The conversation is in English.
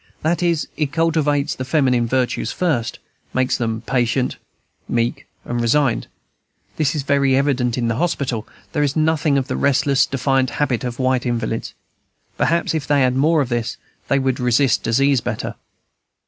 That is, it cultivates the feminine virtues first, makes them patient, meek, resigned. This is very evident in the hospital; there is nothing of the restless, defiant habit of white invalids. Perhaps, if they had more of this, they would resist disease better.